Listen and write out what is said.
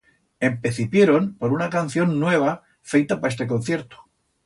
Empecipieron por una canción nueva feita pa este concierto.